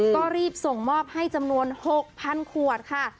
ก็รีบส่งมอบให้จำนวน๖๐๐๐ขวดค่ะ